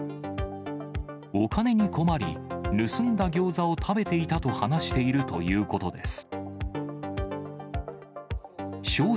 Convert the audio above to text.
お金に困り、盗んだギョーザを食べていたと話しているということです。